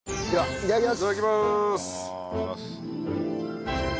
いただきます。